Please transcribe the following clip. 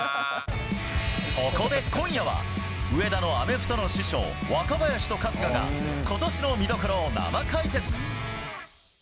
そこで今夜は、上田のアメフトの師匠、若林と春日が、ことしの見どころを生解説。